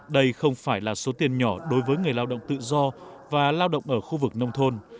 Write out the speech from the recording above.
đây không phải là số tiền nhỏ đối với người lao động tự do và lao động ở khu vực nông thôn